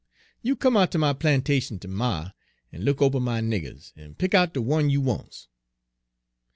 You come out ter my plantation ter morrer en look ober my niggers, en pick out de one you wants.'